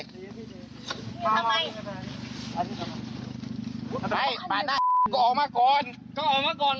ก็กูออกมาก่อนก็ออกมาก่อน